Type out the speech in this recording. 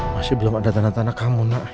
masih belum ada tanah tanah kamu nak